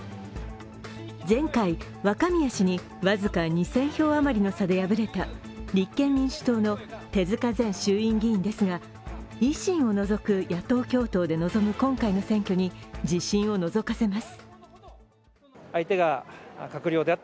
前回、若宮氏に僅か２０００票あまりの差で敗れた立憲民主党の手塚前衆院議員ですが、維新を除く野党共闘で臨む今回の選挙に自信をのぞかせます。